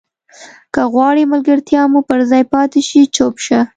که غواړې ملګرتیا مو پر ځای پاتې شي چوپ شه.